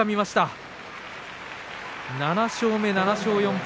拍手７勝目、７勝４敗